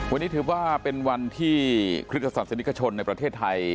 วันนี้ถือว่าเป็นวันที่คริสตศาสนิกชนในประเทศไทย